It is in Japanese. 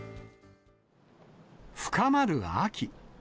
深まる秋。